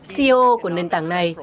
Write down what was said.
ceo của nền tảng này